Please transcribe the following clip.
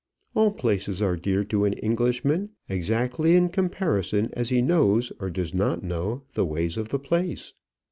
"All places are dear to an Englishman exactly in comparison as he knows, or does not know, the ways of the place.